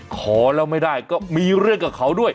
ขอแล้วไม่ได้ก็มีเรื่องกับเขาด้วย